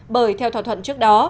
bởi theo thỏa thuận trước đó